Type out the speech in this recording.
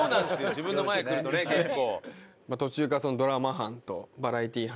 自分の前来るとね結構。